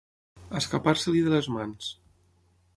Escapar-se-li de les mans.